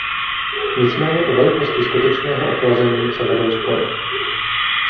Nicméně o velikosti skutečného ochlazení se vedou spory.